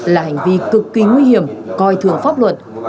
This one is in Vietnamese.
là hành vi cực kỳ nguy hiểm coi thường pháp luật